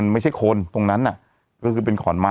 สวัสดีครับคุณผู้ชม